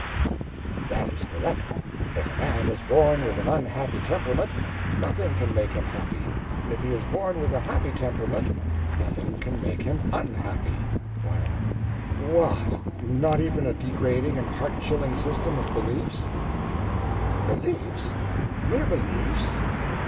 O.M. That is correct. If a man is born with an unhappy temperament, nothing can make him happy; if he is born with a happy temperament, nothing can make him unhappy. Y.M. What—not even a degrading and heart chilling system of beliefs? O.M. Beliefs? Mere beliefs?